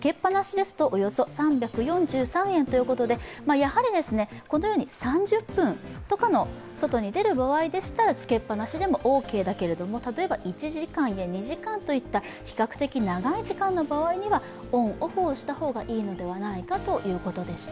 やはり、このように３０分とかの外に出る場合でしたら、つけっぱなしでもオーケーだけれども例えば１時間や２時間といった比較的長い時間の場合は、オンオフをした方がいいのではないかということでした。